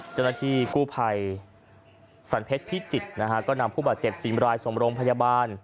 เจ้าหน้าที่กู้ภัยสรรเพชรพิจิตรนะฮะก็นำผู้บาดเจ็บ๔รายส่งโรงพยาบาล